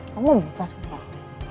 kamu buka sekitar aku